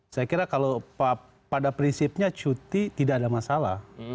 saya kira kalau pada prinsipnya cuti tidak ada masalah